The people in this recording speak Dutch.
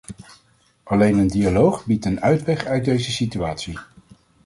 Alleen een dialoog biedt een uitweg uit deze situatie.